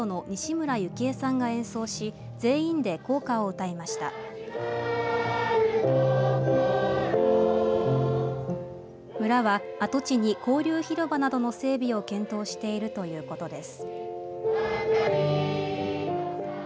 村は跡地に交流広場などの整備を検討しているということです。